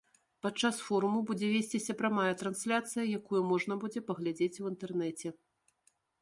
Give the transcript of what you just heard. Падчас форуму будзе весціся прамая трансляцыя, якую можна будзе паглядзець у інтэрнэце.